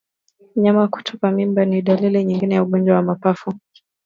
Mnyama kutupa mimba ni dalili nyingine ya ugonjwa wa mapafu